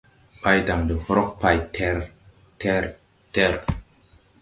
Mbaydan de hrog pay ter! Ter! ter!